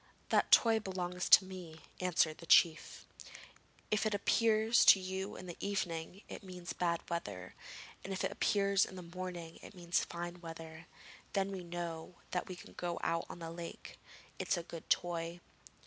'That toy belongs to me,' answered the chief. 'If it appears to you in the evening it means bad weather, and if it appears in the morning it means fine weather. Then we know that we can go out on the lake. It is a good toy.'